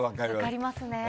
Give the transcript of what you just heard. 分かりますね。